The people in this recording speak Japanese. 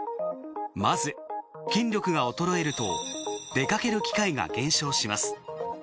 まず筋力が衰えると出かける機会が減少します。